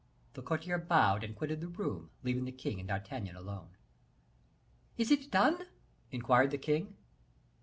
The courtier bowed and quitted the room, leaving the king and D'Artagnan alone. "Is it done?" inquired the king.